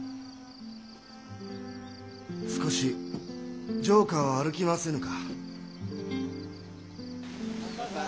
少し城下を歩きませぬか。